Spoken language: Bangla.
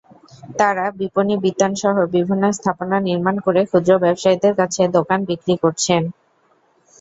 তাঁরা বিপণিবিতানসহ বিভিন্ন স্থাপনা নির্মাণ করে ক্ষুদ্র ব্যবসায়ীদের কাছে দোকান বিক্রি করছেন।